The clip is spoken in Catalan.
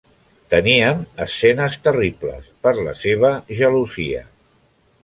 Teníem escenes terribles, per la seva gelosia.